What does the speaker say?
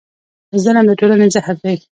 ظلم د ټولنې زهر دی.